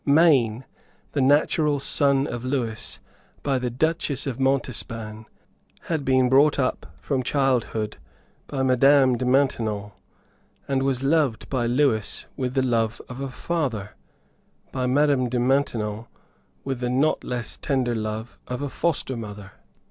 Maine, the natural son of Lewis by the Duchess of Montespan, had been brought up from childhood by Madame de Maintenon, and was loved by Lewis with the love of a father, by Madame de Maintenon with the not less tender love of a foster mother.